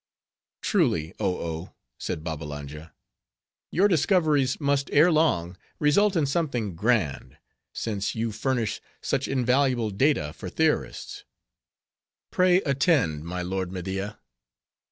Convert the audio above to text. "Truly, Oh Oh," said Babbalanja, "your discoveries must ere long result in something grand; since you furnish such invaluable data for theorists. Pray, attend, my lord Media.